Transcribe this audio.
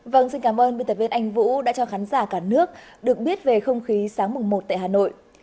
vâng xin cảm ơn biên tập viên anh vũ đã cho khán giả cả nước được biết về không khí sáng mùng một tại hà nội